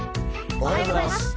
おはようございます。